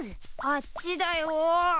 あっちだよ。